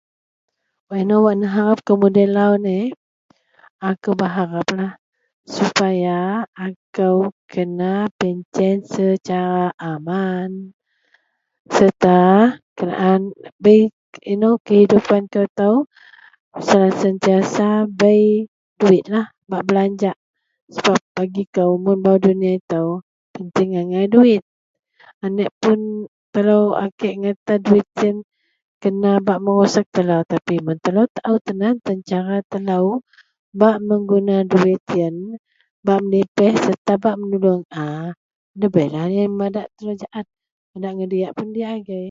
Wak inou wak neharepkou mudei lau neh, akou berhareplah sepaya akou kena pencen secara aman serta kenaan bei kehidupan kou itou sentiasa bei duwit bak belajak sebap bagi kou mun bau dunia itou penting angai duwit anekpuun telou akek ngata duwit siyen kena bak merusek telou tapi mun telou taao tan aan tan cara telou bak mengguna duwit yen bak medipeh serta bak bak menuluong a debeilah yen madak telou jaet padak mediyak puun diyak agei